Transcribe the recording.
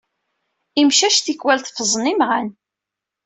Imcac tikkewal teffẓen imɣan.